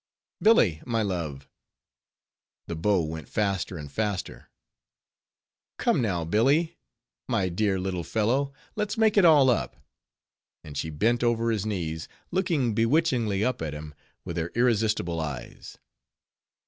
"Billy, my love!" The bow went faster and faster. "Come, now, Billy, my dear little fellow, let's make it all up;" and she bent over his knees, looking bewitchingly up at him, with her irresistible eyes.